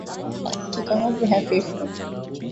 Kikohozi hafifu